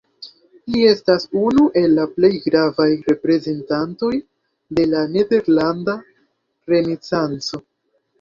Li estas unu el la plej gravaj reprezentantoj de la nederlanda renesanco.